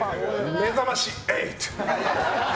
「めざまし８」！